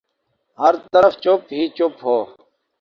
ہر طرف چپ ہی چپ ہو۔